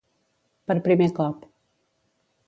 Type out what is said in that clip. Per primer cop.